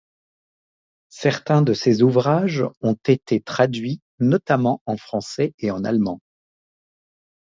Certains de ses ouvrages ont été traduits, notamment en français et en allemand.